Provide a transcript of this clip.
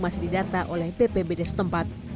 masih didata oleh bpbd setempat